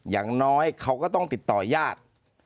อย่างน้อยเขาก็ต้องติดต่อญาติ